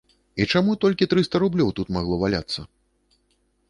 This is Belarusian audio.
І чаму толькі трыста рублёў тут магло валяцца?